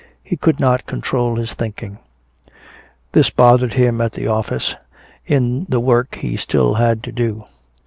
He could not control his thinking. This bothered him at the office, in the work he still had to do.